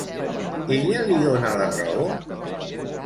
Ella li dona la raó?